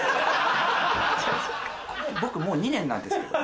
僕もう２年なんですけど。